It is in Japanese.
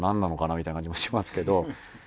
みたいな感じもしますけど。